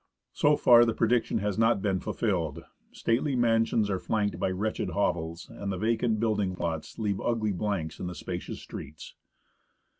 So far, the prediction has not been fulfilled. Stately mansions are flanked SEATTLE, FROM THE SEA. by wretched hovels, and vacant building plots leave ugly blanks in the spacious streets.